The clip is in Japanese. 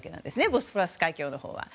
ボスポラス海峡のほうは。